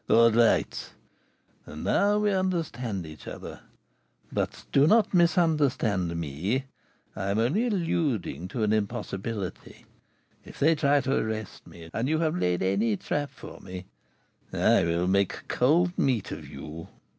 "All right; and now we understand each other; but do not misunderstand me, I am only alluding to an impossibility. If they try to arrest me, and you have laid any trap for me, I will make 'cold meat' of you."